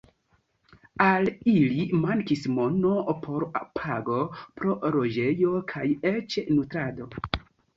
Al ili mankis mono por pago pro loĝejo kaj eĉ nutrado.